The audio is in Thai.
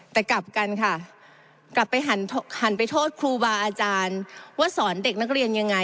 แต่กลับกันค่ะกลับไปหันไปโทษครูบาอาจารย์ว่าสอนเด็กนักเรียนยังไง